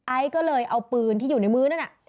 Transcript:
ไอซ์ก็เลยเอาปืนที่อยู่ในมื้อนั่น